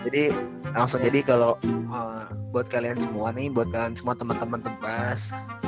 jadi langsung aja nih kalo buat kalian semua nih buat kalian semua temen temen tepas